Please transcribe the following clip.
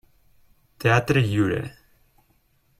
Teatre Lliure.